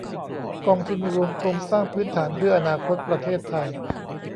กองทุนรวมโครงสร้างพื้นฐานเพื่ออนาคตประเทศไทย